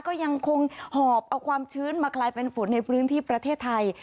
ก็ยังคงหอบเอาความชื้นมากลายเป็นฝนในพื้นที่ประเทศไทย